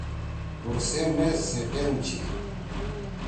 کرسی میز سی ٹین چھی۔